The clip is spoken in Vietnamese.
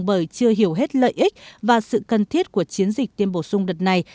bởi chưa hiểu hết lợi ích và sự cần thiết của chiến dịch tiêm bổ sung đợt này